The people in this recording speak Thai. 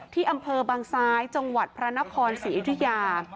ที่อำเภอบางซ้ายจังหวัดพระนครศรีอยุธยา